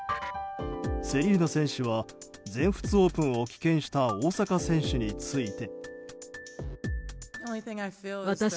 セリーナ選手は全仏オープンを棄権した大坂選手について。